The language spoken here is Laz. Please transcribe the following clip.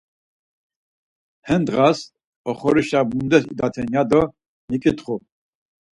He ndğas, 'oxorişa mundes idaten' ya do miǩitxu.